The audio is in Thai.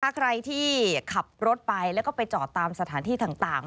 ถ้าใครที่ขับรถไปแล้วก็ไปจอดตามสถานที่ต่าง